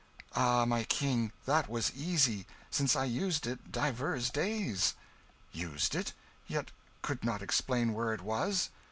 "Ah, my King, that was easy, since I used it divers days." "Used it yet could not explain where it was?"